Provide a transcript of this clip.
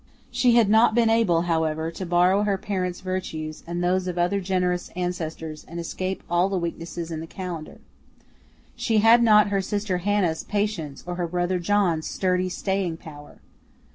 She had not been able, however, to borrow her parents' virtues and those of other generous ancestors and escape all the weaknesses in the calendar. She had not her sister Hannah's patience or her brother John's sturdy staying power.